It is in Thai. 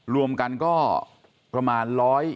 รวมกันก็ประมาณ๑๐๐